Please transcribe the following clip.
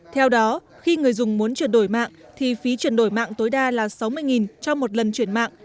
theo đó khi người dùng muốn chuyển đổi mạng thì phí chuyển đổi mạng tối đa là sáu mươi cho một lần chuyển mạng